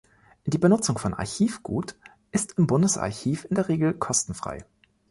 Die Benutzung von Archivgut ist im Bundesarchiv in der Regel kostenfrei.